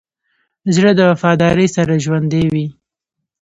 زړه د وفادارۍ سره ژوندی وي.